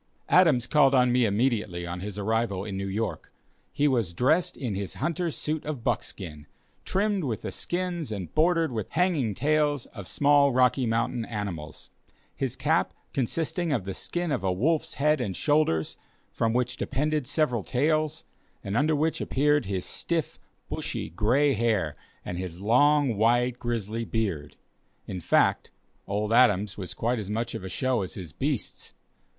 Adams called on me immediately on his arrival in New York. He was dressed in his hunter's suit of buckskin, trimmed with the skins and bordered with the hanging tails of small Rocky Mountain animals; his cap consisting of the skin of a wolf's head and shoulders, from which depended several tails, and under which appeared his stiff, bushy, gray hair and his long, white, grizzly beard; in fact Old Adams was quite as much of a show as his beasts.